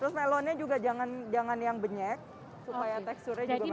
terus melonnya juga jangan yang benyek supaya teksturnya juga masih bagus